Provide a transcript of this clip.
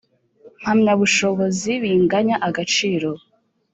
Mpamyabushobozi binganya agaciro.